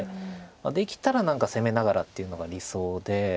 できたら何か攻めながらっていうのが理想で。